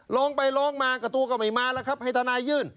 ร้องไปร้องมากับตัวก็ไม่มาแล้วครับให้ทนายยื่น